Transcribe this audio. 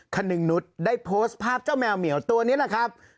คนนึงนุษย์ได้โพสต์ภาพเจ้าแมวเหมียวตัวนี้แหละครับ